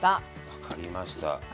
分かりました。